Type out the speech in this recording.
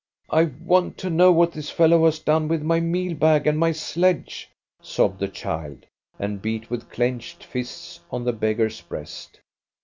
" I want to know what this fellow has done with my meal bag and my sledge," sobbed the child, and beat with clenched fists on the beggar's breast.